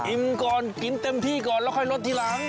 ก่อนกินเต็มที่ก่อนแล้วค่อยลดทีหลัง